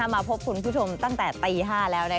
มาพบคุณผู้ชมตั้งแต่ตี๕แล้ว